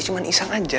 cuma iseng aja